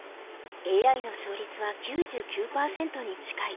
ＡＩの勝率は９９％に近い。